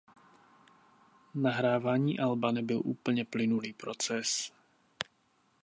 Nahrávání alba nebyl úplně plynulý proces.